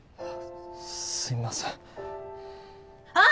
すすいませんあっ！